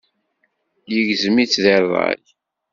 Yegzem-itt deg ṛṛay.